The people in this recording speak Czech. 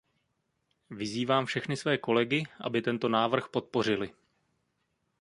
Vyzývám všechny své kolegy, aby tento návrh podpořili.